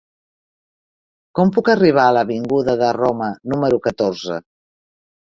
Com puc arribar a l'avinguda de Roma número catorze?